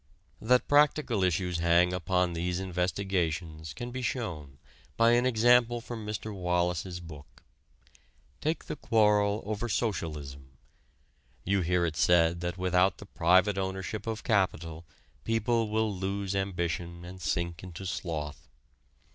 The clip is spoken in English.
That practical issues hang upon these investigations can be shown by an example from Mr. Wallas's book. Take the quarrel over socialism. You hear it said that without the private ownership of capital people will lose ambition and sink into sloth.